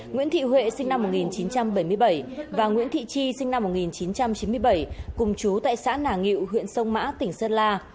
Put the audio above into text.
nguyễn thị huệ sinh năm một nghìn chín trăm bảy mươi bảy và nguyễn thị chi sinh năm một nghìn chín trăm chín mươi bảy cùng chú tại xã nà ngự huyện sông mã tỉnh sơn la